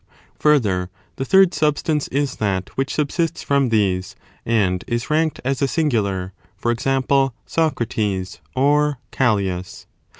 Further, the third substance is that which subsists from these, and is ^nked as a singular; for example, Socrates or Callias.